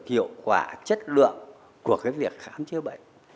hiệu quả chất lượng của việc khám chữa bệnh